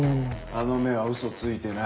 あの目は嘘ついてない。